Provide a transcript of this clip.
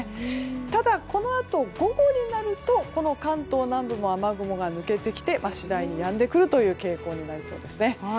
ただこのあと午後になるとこの関東の南部の雨雲も抜けてきて次第にやんでくる傾向になりそうです。